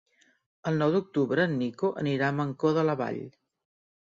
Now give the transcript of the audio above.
El nou d'octubre en Nico anirà a Mancor de la Vall.